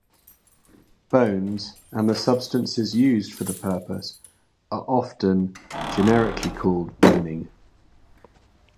Bones, and the substances used for the purpose, are often generically called boning.